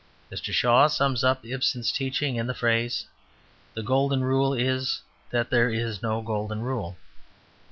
Mr. Shaw sums up Ibsen's teaching in the phrase, "The golden rule is that there is no golden rule."